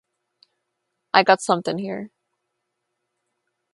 I got somethin' here.